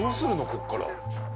ここから。